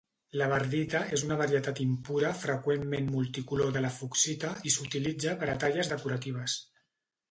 La verdita és una varietat impura freqüentment multicolor de la fuchsita i s'utilitza per a talles decoratives.